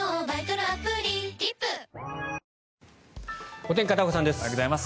お天気、片岡さんです。